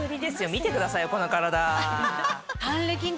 見てくださいよこの体。